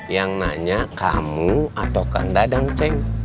yang nanya kamu atau kang dadang ceng